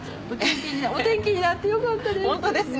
お天気になってよかったです。